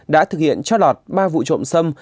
đã thực hiện cho lọt ba vụ trộm sâm